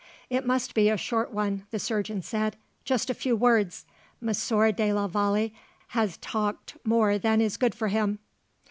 "It must be a short one," the surgeon said, "just a few words. Monsieur de la Vallee has talked more than is good for him."